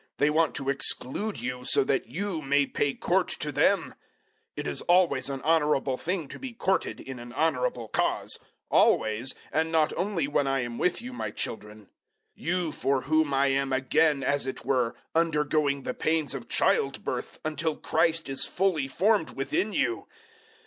They want to exclude you, so that you may pay court to them. 004:018 It is always an honourable thing to be courted in an honourable cause; always, and not only when I am with you, my children 004:019 you for whom I am again, as it were, undergoing the pains of childbirth, until Christ is fully formed within you.